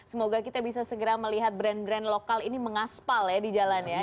semoga kita bisa segera melihat brand brand lokal ini mengaspal ya di jalan ya